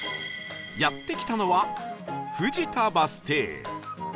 やって来たのは藤田バス停